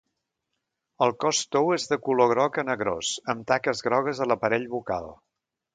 El cos tou és de color groc a negrós, amb taques grogues a l'aparell bucal.